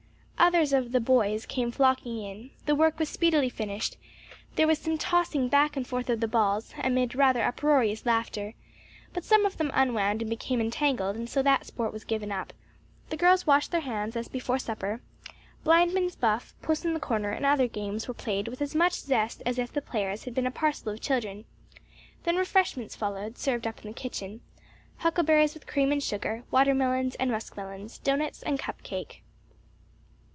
Others of "the boys" came flocking in, the work was speedily finished, there was some tossing back and forth of the balls, amid rather uproarious laughter; but some of them unwound and became entangled; and so that sport was given up; the girls washed their hands as before supper; Blindman's Buff, Puss in the Corner and other games were played with as much zest as if the players had been a parcel of children; then refreshments followed, served up in the kitchen; huckleberries with cream and sugar, watermelons, and muskmelons, doughnuts and cup cake.